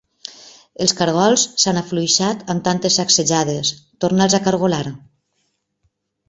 Els cargols s'han afluixat amb tantes sacsejades: torna'ls a cargolar.